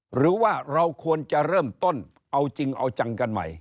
หรือว่าเราควรจะเริ่มต้นเอาจริงเอาจังกันใหม่